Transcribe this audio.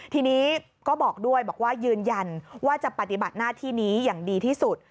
ทีนี้ก็บอกด้วยบอกว่ายืนยันว่าจะปฏิบัติหน้าที่นี้อย่างดีที่สุด